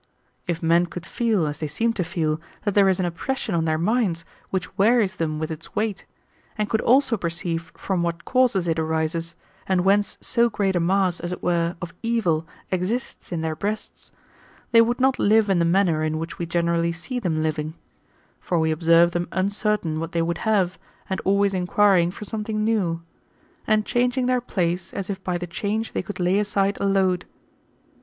If men could feel, as they seem to feel, that there is an oppression on their minds, which wearies them with its weight, and could also perceive &om what causes it arises, and whence so great a mass, as it were, of evil exists in their breasts, they would not live in the manner in which we generally see them living; for we observe them uncertain what they would have, and always inquiringybr something new ; and changing their place, as if bi/ the change they could lay aside a load.